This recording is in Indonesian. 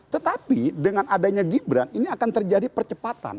tetapi dengan adanya gibran ini akan terjadi percepatan